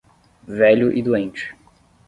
Velho e doente